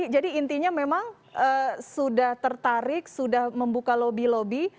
jadi intinya memang sudah tertarik sudah membuka lobby lobby